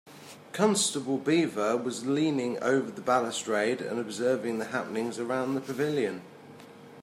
Constable Beaver was leaning over the balustrade and observing the happenings around the pavilion.